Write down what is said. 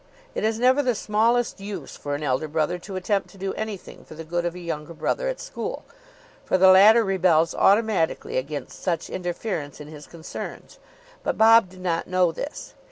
It is never the smallest use for an elder brother to attempt to do anything for the good of a younger brother at school, for the latter rebels automatically against such interference in his concerns; but Bob did not know this.